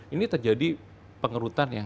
ini terjadi pengerutan yang